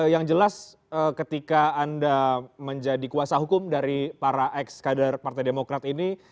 yang jelas ketika anda menjadi kuasa hukum dari para ex kader partai demokrat ini